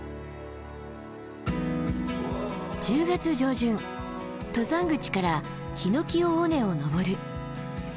１０月上旬登山口から檜尾尾根を登る。